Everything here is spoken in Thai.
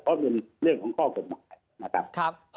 เพราะเป็นเรื่องของข้อกฎหมายนะครับ